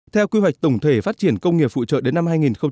theo quy hoạch tổng thể phát triển công nghiệp hỗ trợ đến năm hai nghìn hai mươi